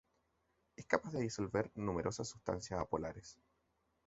Es capaz de disolver numerosas sustancias apolares.